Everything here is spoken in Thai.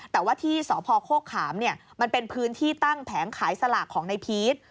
แต่ว่าที่สพโคกขามมันเป็นพื้นที่ตั้งแผงขายสลากของนายพีช